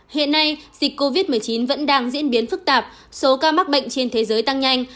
hiện nay dịch covid một mươi chín vẫn đang diễn biến phức tạp số ca mắc bệnh trên thế giới tăng nhanh